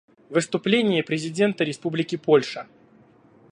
Выступление президента Республики Польша.